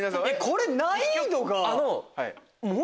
これ難易度が。